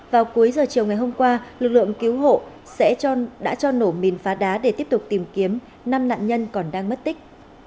vào cuối giờ chiều ngày hôm qua lực lượng cứu hộ đã cho nổ mìn phá đá để tiếp tục tìm kiếm năm nạn nhân còn đang mất tích